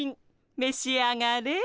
めし上がれ。